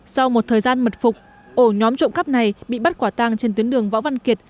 sau một thời gian mật phục ổ nhóm trộm cắp này bị bắt quả tang trên tuyến đường võ văn kiệt